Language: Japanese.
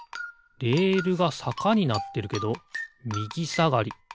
レールがさかになってるけどみぎさがり。